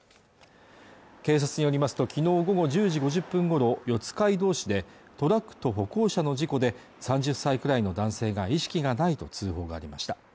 警察によりますと、きのう午後１０時５０分ごろ四街道市でトラックと歩行者の事故で３０歳くらいの男性が意識がないと通報がありました